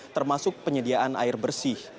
termasuk penyediaan air bersih